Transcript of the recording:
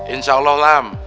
insya allah lam